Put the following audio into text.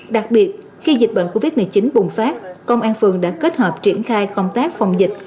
đặc biệt khi dịch bệnh covid một mươi chín bùng phát công an phường đã kết hợp triển khai công tác phòng dịch